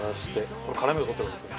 これ辛みを取ってるわけですね。